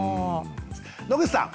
野口さん。